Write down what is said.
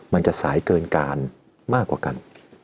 มันจะสายเกินการมากกว่ากัน